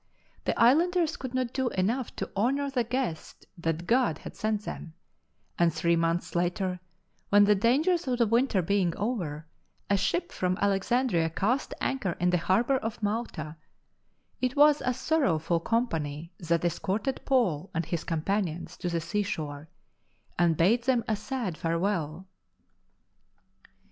The islanders could not do enough to honour the guest that God had sent them, arid three months later, when, the dangers of the winter being over, a ship from Alexandria cast anchor in the harbour of Malta, it was a sorrowful company that escorted Paul and his companions to the sea shore, and bade them a sad farewell.